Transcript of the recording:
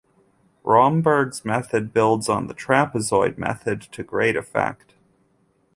Romberg's method builds on the trapezoid method to great effect.